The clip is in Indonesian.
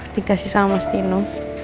dikasih sama mas tino